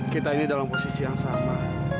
kita ini dalam posisi yang sama